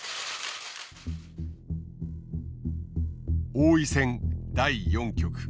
王位戦第４局。